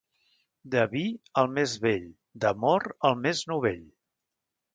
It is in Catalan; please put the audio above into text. De vi, el més vell; d'amor, el més novell.